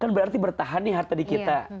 kan berarti bertahan nih harta di kita